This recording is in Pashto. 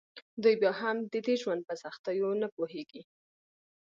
دوی بیا هم د دې ژوند په سختیو نه پوهیږي